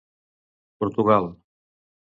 Portugal.